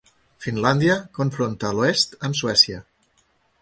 Finlàndia confronta a l'oest amb Suècia.